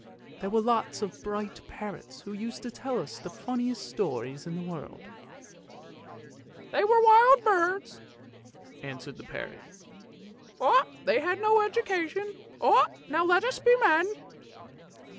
There were lots of bright parrots, who used to tell us the funniest stories in the world." " They were wild birds," answered the parrot; " they had no education. Now let us be men!